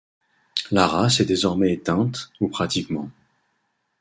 La race est désormais éteinte, ou pratiquement.